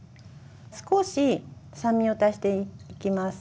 少し酸味を足していきます。